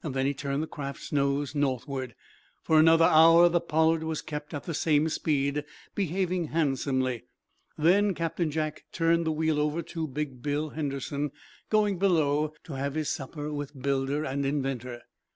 Then he turned the craft's nose northward. For another hour the "Pollard" was kept at the same speed, behaving handsomely. Then Captain Jack turned the wheel over to big Bill Henderson, going below to have his supper with builder and inventor.